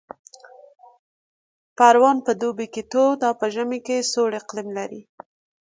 پروان په دوبي کې تود او په ژمي کې سوړ اقلیم لري